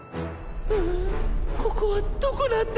「うぅっここはどこなんだ？」